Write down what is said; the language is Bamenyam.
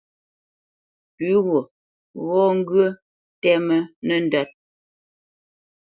Pʉ̌ gho ghɔ́ ŋgyə̂ ntɛ́mə́ nəndə́t.